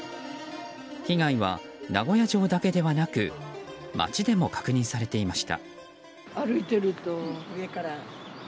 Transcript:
被害は名古屋城だけではなく街でも確認されていました。